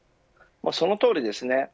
そのとおりですね。